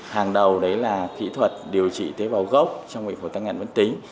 hàng đầu đấy là kỹ thuật điều trị tế bào gốc trong bệnh phổi tăng ngạn bản tính